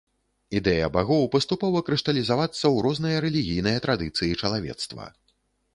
Ідэя багоў паступова крышталізавацца ў розныя рэлігійныя традыцыі чалавецтва.